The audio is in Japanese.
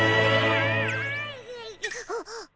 あっ！